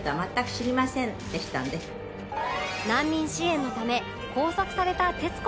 難民支援のため拘束された徹子先輩